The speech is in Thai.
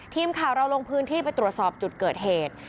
ทีมข่าวเราลงพื้นที่ไปตรวจสอบจุดเกิดเหตุ